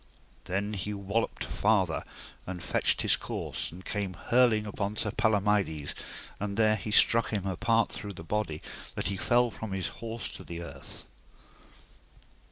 Then he walloped farther, and fetched his course, and came hurling upon Sir Palomides, and there he struck him a part through the body, that he fell from his horse to the earth.